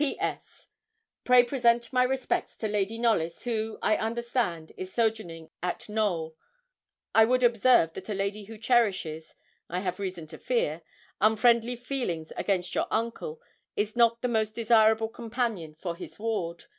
'P.S. Pray present my respects to Lady Knollys, who, I understand, is sojourning at Knowl. I would observe that a lady who cherishes, I have reason to fear, unfriendly feelings against your uncle, is not the most desirable companion for his ward.